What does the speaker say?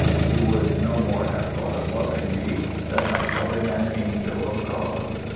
You would no more have thought of loving me than of loving an angel of God.